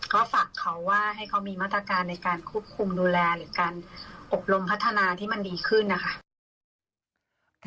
ก็ฝากเขาว่าให้เขามีมาตรการในการควบคุมดูแลหรือการอบรมพัฒนาที่มันดีขึ้นนะคะ